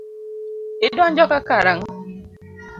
Idonjo ka karang'o.